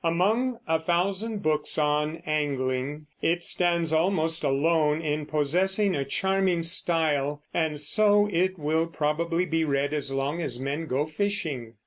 Among a thousand books on angling it stands almost alone in possessing a charming style, and so it will probably be read as long as men go fishing.